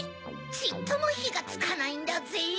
ちっともひがつかないんだぜ。